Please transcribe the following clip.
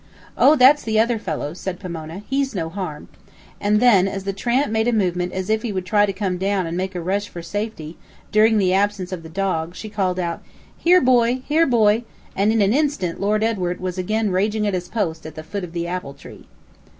"Oh, that's the other fellow," said Pomona. "He's no harm." And then, as the tramp made a movement as if he would try to come down, and make a rush for safety, during the absence of the dog, she called out, "Here, boy! here, boy!" and in an instant Lord Edward was again raging at his post, at the foot of the apple tree.